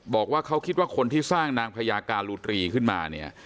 บอกว่าเขาคิดว่าคนที่สร้างนางพญาการุตรีขึ้นมาเนี่ย